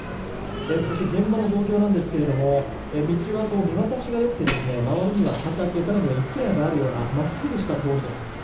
そして、現場の状況ですが道は見渡しが良くて周りには畑更には一軒家があるような真っすぐの通りです。